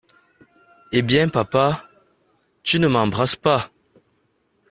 Eh bien, papa, tu ne m’embrasses pas !